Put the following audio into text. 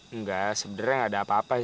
enggak sebenernya gak ada apa apa